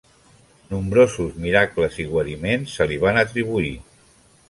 Nombrosos miracles i guariments se li van atribuir.